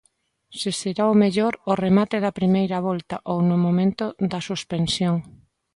Se será o mellor ao remate da primeira volta ou no momento da suspensión.